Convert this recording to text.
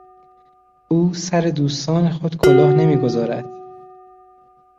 او سر دوستان خود کلاه نمیگذارد.